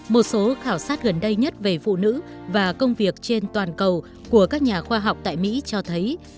một số khảo sát gần đây nhất về phụ nữ và công việc trên toàn cầu của các nhà khoa học tại mỹ cho thấy